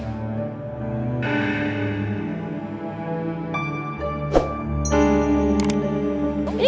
bukan kita coba lihat